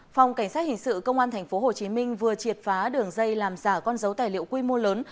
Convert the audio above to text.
phòng cảnh sát hình sự công an tp hcm vừa triệt phá đường dây làm giả con dấu tài liệu quy mô lớn